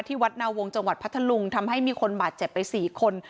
วัดนาวงจังหวัดพัทธลุงทำให้มีคนบาดเจ็บไป๔คน